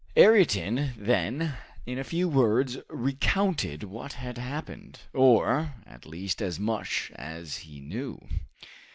Ayrton then in a few words recounted what had happened, or, at least, as much as he knew.